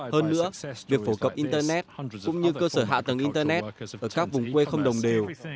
hơn nữa việc phổ cập internet cũng như cơ sở hạ tầng internet ở các vùng quê không đồng đều